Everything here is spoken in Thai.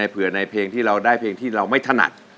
เผื่อในเพลงที่เราได้เพลงที่เราไม่ถนัด